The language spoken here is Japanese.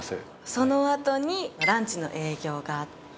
その後にランチの営業があって。